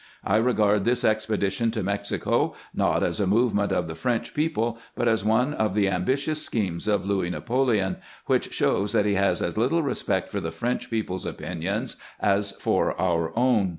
I regard this expedition to Mexico not as a movement of the French people, but as one of the ambitious schemes of Louis Napoleon, which shows that he has as little respect for the French people's opinions as for our own.